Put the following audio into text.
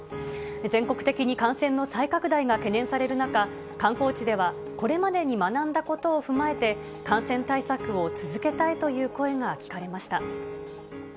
全国的に感染の再拡大が懸念される中、観光地ではこれまでに学んだことを踏まえて、感染対策を続けたいという声が聞かれました。